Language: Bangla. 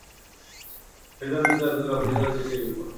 সেইজন্যেই তো এতদিন অপেক্ষা করে শেষে এই বিপদ।